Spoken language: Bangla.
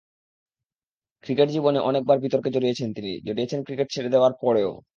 ক্রিকেট জীবনে অনেক বার বিতর্কে জড়িয়েছেন তিনি, জড়িয়েছেন ক্রিকেট ছেড়ে দেওয়ার পরেও।